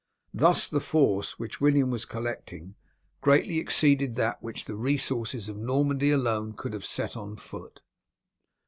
Thus the force which William was collecting greatly exceeded that which the resources of Normandy alone could have set on foot.